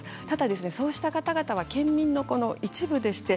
でも、そうした方々は県民の一部です。